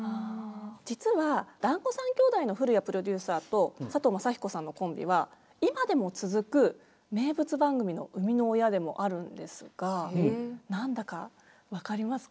実はだんご３兄弟の古屋プロデューサーと佐藤雅彦さんのコンビは今でも続く名物番組の生みの親でもあるんですが何だか分かりますか？